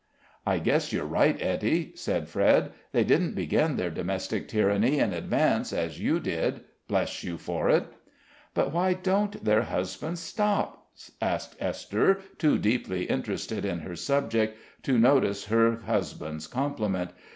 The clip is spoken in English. "I guess you're right, Ettie," said Fred. "They didn't begin their domestic tyranny in advance, as you did bless you for it." "But why don't their husbands stop?" asked Esther, too deeply interested in her subject to notice her husband's compliment.